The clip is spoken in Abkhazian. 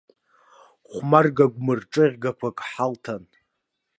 Хәмарга гәмырҿыӷьгақәак ҳалҭан.